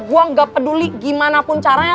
gue gak peduli gimana pun caranya